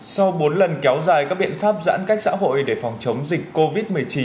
sau bốn lần kéo dài các biện pháp giãn cách xã hội để phòng chống dịch covid một mươi chín